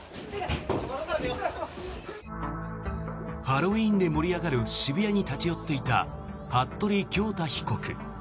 ハロウィーンで盛り上がる渋谷に立ち寄っていた服部恭太被告。